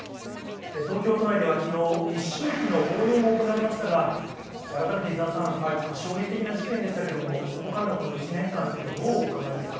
東京都内ではきのう、一周忌の法要も行われましたが、改めて伊沢さん、衝撃的な事件でしたけれども、そこからのこの１年間というのは、どうお考えですか。